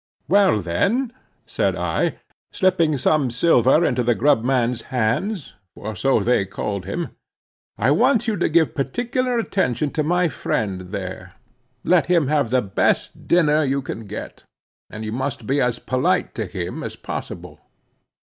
"Well then," said I, slipping some silver into the grub man's hands (for so they called him). "I want you to give particular attention to my friend there; let him have the best dinner you can get. And you must be as polite to him as possible."